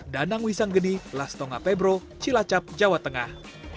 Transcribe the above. danang wisang gedi las tonga pebro cilacap jawa tengah